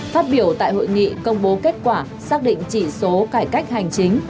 phát biểu tại hội nghị công bố kết quả xác định chỉ số cải cách hành chính